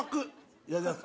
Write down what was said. いただきます。